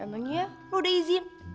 emangnya lo udah izin